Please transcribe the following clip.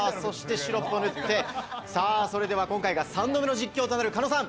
シロップを塗ってそれでは今回が３度目の実況となる狩野さん。